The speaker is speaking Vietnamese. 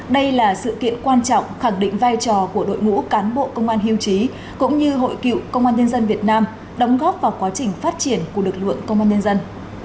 đây là sự kiện quan trọng khẳng định vai trò của đội ngũ cán bộ công an hiêu trí cũng như hội cựu công an nhân dân việt nam đóng góp vào quá trình phát triển của lực lượng công an nhân dân